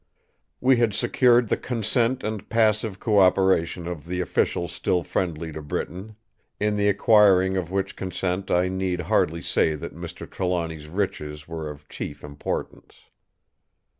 We had secured the consent and passive co operation of the officials still friendly to Britain; in the acquiring of which consent I need hardly say that Mr. Trelawny's riches were of chief importance.